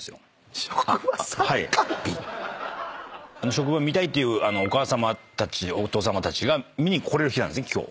職場を見たいっていうお母さまたちお父さまたちが見に来れる日なんですね今日。